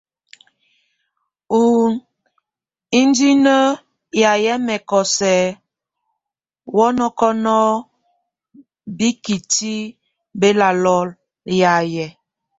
Nʼ indinek yaye mɛkɔ sɛk wɔŋgɔkɔnɔ bikíti belalok yaye.